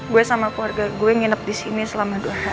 gue sama keluarga gue nginep disini selama dua hari